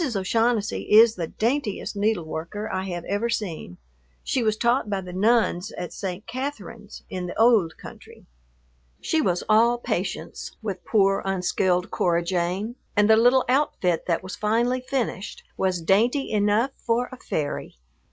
O'Shaughnessy is the daintiest needleworker I have ever seen; she was taught by the nuns at St. Catherine's in the "ould country." She was all patience with poor, unskilled Cora Jane, and the little outfit that was finally finished was dainty enough for a fairy.